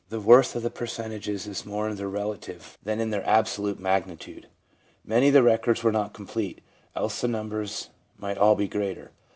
worth of the percentages is more in their relative than 64 THE PSYCHOLOGY OF RELIGION in their absolute magnitude. Many of the records were not complete, else the numbers might all be greater.